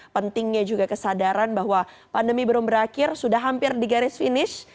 pentingnya juga kesadaran bahwa pandemi belum berakhir sudah hampir di garis finish